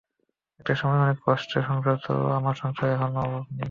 একটা সময় অনেক কষ্টে সংসার চললেও আমার সংসারে অহন অভাব নাই।